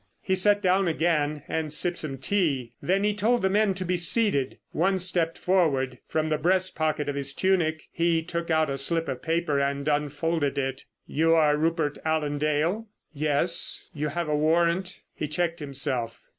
He sat down again and sipped some tea. Then he told the men to be seated. One stepped forward. From the breast pocket of his tunic he took out a slip of paper and unfolded it. "You are Rupert Allen Dale?" "Yes. You have a warrant——" He checked himself.